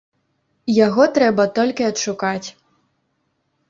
Яго трэба толькі адшукаць.